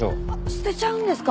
捨てちゃうんですか？